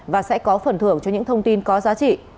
và sẽ có phần thưởng cho những thông tin có giá trị